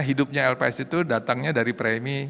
hidupnya lps itu datangnya dari premi